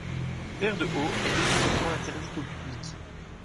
Terre-de-Haut est rigoureusement interdite au public.